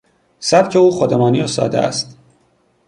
سبک او خودمانی و ساده است.